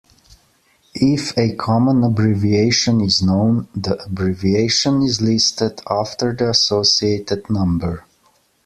If a common abbreviation is known, the abbreviation is listed after the associated number.